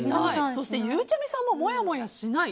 そして、ゆうちゃみさんももやもやしない。